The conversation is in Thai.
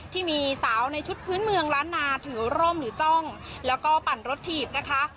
ที่มีสาวในชุดพื้นเมืองล้านนาถือร่มหรือจ้องแล้วก็ปั่นรถถีบนะคะ